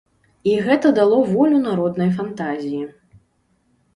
І гэта дало волю народнай фантазіі.